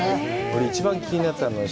俺一番気になったのは